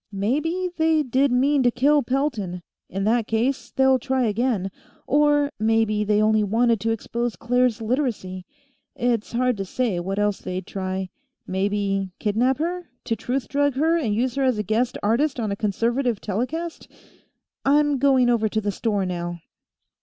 "Maybe they did mean to kill Pelton; in that case, they'll try again. Or maybe they only wanted to expose Claire's literacy. It's hard to say what else they'd try maybe kidnap her, to truth drug her and use her as a guest artist on a Conservative telecast. I'm going over to the store, now."